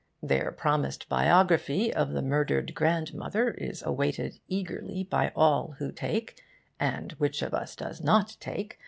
Their promised biography of the murdered grandmother is awaited eagerly by all who take and which of us does not take?